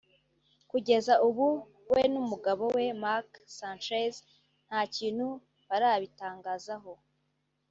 kugeza ubu we n’umugabo we Mark Sanchez nta kintu barabitangazaho